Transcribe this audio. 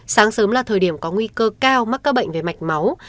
sáng sớm là thời điểm có nguy cơ cao mắc các bệnh về mạch máu